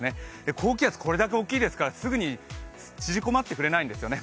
高気圧、これだけ大きいですからすぐに縮こまってくれないんですよね。